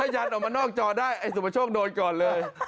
ให้ยัดออกมานอกจอได้ไอ้สุมช่วงโดนก่อนเลย